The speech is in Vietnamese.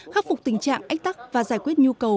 khắc phục tình trạng ách tắc và giải quyết nhu cầu